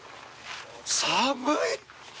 寒い！